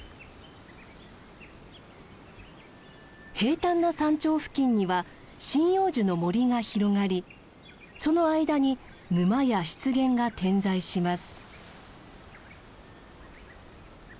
平たんな山頂付近には針葉樹の森が広がりその間に沼や湿原が点在します。